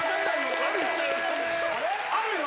あるよ！